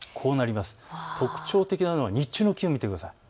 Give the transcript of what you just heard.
特徴的なのは日中の気温を見てください。